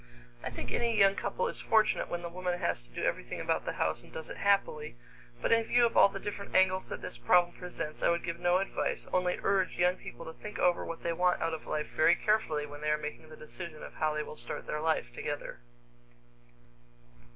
I think any young couple is fortunate when the woman has to do everything about the house and does it happily, but in view of all the different angles that this problem presents, I would give no advice, only urge young people to think over what they want out of life very carefully when they are making the decision of how they will start their life together.